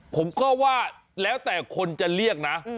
ผมก็ว่าแล้วแต่คนจะเรียกนะ